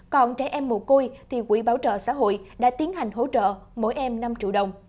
còn trẻ em mù côi thì quỹ bảo trợ xã hội đã tiến hành hỗ trợ mỗi em năm triệu đồng